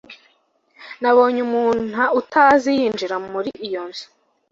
nabonye umuntu utazi yinjira muri iyo nzu